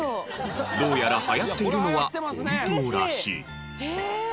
どうやら流行っているのは本当らしい。